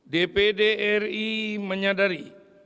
dpd ri menyadari